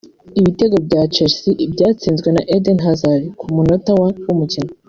Ibitego bya Chelsea byatsinzwe na Eden Hazard ku munota wa ' w'umukino